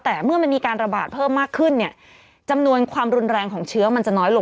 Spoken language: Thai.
แต่เมื่อมันมีการระบาดเพิ่มมากขึ้นเนี่ยจำนวนความรุนแรงของเชื้อมันจะน้อยลง